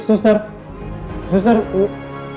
mas masih sedikit